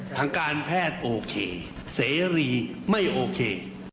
ทางการแพทย์โอเคเสรีไม่โอเค